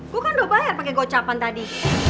gue kan udah bayar pake gocapan tadi